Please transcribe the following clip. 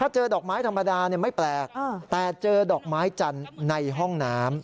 เจอดอกไม้ธรรมดาไม่แปลกแต่เจอดอกไม้จันทร์ในห้องน้ำ